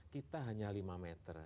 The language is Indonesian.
kita hanya lima meter